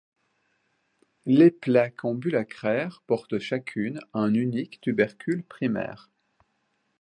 Les plaques ambulacraires portent chacune un unique tubercule primaire.